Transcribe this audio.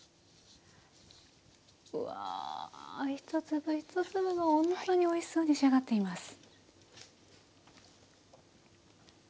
うわ一粒一粒がほんとにおいしそうに仕上がっています。